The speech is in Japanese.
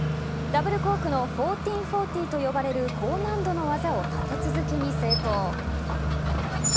ダブルコークの１４４０と呼ばれる、高難度の技を立て続けに成功。